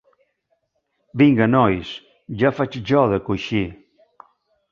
Vinga, nois, ja faig jo de coixí.